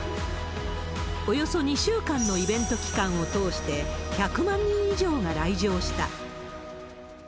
およそ２週間のイベント期間を通して、１００万人以上が来場した。